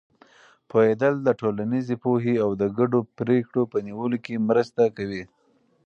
پوهېدل د ټولنیزې پوهې او د ګډو پرېکړو په نیولو کې مرسته کوي.